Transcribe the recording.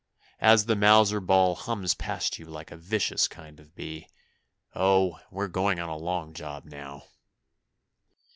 As the Mauser ball hums past you like a vicious kind of bee Oh! we're going on a long job now.